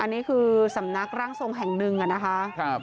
อันนี้คือสำนักร่างทรงแห่งหนึ่งนะคะ